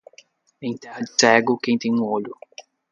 Em terra de cego, quem tem um olho